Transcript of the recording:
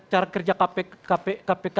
cara kerja kpk